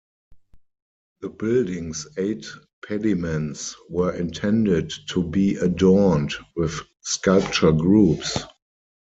The building's eight pediments were intended to be adorned with sculpture groups.